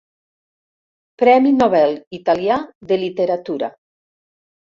Premi Nobel italià de literatura.